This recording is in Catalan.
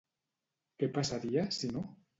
Què passaria, si no?